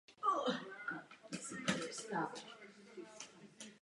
Tyčinky jsou delší než okvětí.